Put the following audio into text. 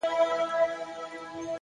مهرباني د زړونو ژور تاثیر لري,